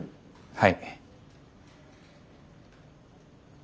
はい。